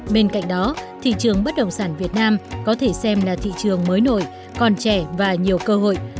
bên cạnh đó thị trường bất động sản việt nam có thể xem là thị trường mới nổi còn trẻ và nhiều cơ hội